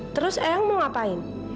terus eyang mau ngapain